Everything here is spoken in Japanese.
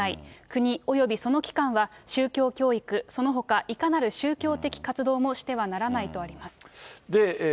国およびその機関は宗教教育、そのほかいかなる宗教的活動もしてはならないとあります。